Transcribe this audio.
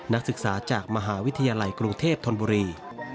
นักศึกษาจากมหาวิทยาลัยกรุงเทพธนบุรี